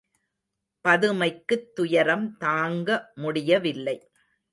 பதுமைக்குத் துயரம் தாங்க முடியவில்லை.